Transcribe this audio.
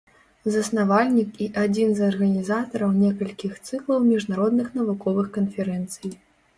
Заснавальнік і адзін з арганізатараў некалькіх цыклаў міжнародных навуковых канферэнцый.